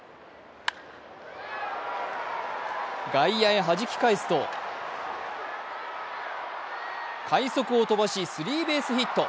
外野へはじき返すと、快足を飛ばしスリーベースヒット。